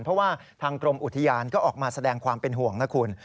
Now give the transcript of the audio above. เพราะว่าทางกรมอุทยานก็ออกมาแสดงความเป็นห่วงนะคุณ